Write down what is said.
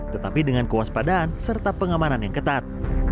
tetapi dengan kewaspadaan serta pengamanan yang ketat